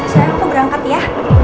sayang aku berangkat ya